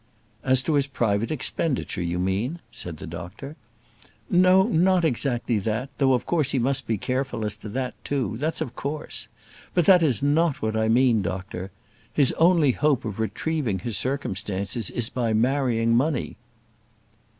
"As to his private expenditure, you mean?" said the doctor. "No; not exactly that: though of course he must be careful as to that, too; that's of course. But that is not what I mean, doctor; his only hope of retrieving his circumstances is by marrying money."